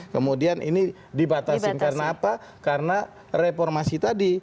kemudian ini dibatasin karena apa karena reformasi tadi